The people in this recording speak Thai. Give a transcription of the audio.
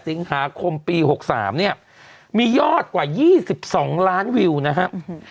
สิงหาคมปี๖๓เนี่ยมียอดกว่า๒๒ล้านวิวนะครับ